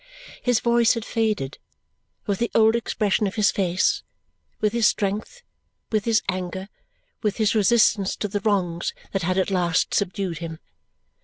His voice had faded, with the old expression of his face, with his strength, with his anger, with his resistance to the wrongs that had at last subdued him.